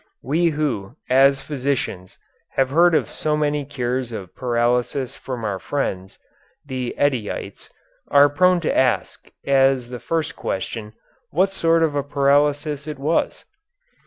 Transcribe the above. We who, as physicians, have heard of so many cures of paralysis from our friends, the Eddyites, are prone to ask, as the first question, what sort of a paralysis it was.